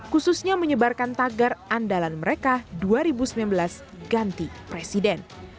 khususnya menyebarkan tagar andalan mereka dua ribu sembilan belas ganti presiden